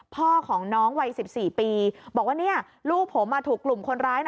พ่อของน้องวัย๑๔ปีบอกว่าเนี่ยลูกผมถูกกลุ่มคนร้าย